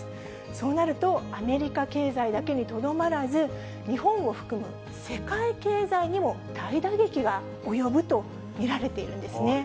そうなると、アメリカ経済だけにとどまらず、日本を含む世界経済にも大打撃が及ぶと見られているんですね。